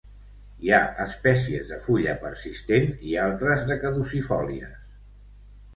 Hi ha espècies de fulla persistent i altres de caducifòlies.